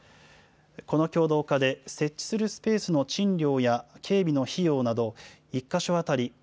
この共同化で、設置するスペースの賃料や警備の費用など、１か所当たり